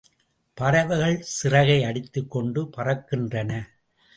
பறவைகள் சிறகையடித்துக்கொண்டு பறக்கின்றன.